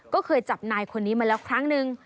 ก็เคยจับนายคนนี้มาแล้วครั้งนึง